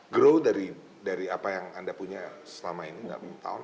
grow dari apa yang anda punya selama ini dalam enam tahun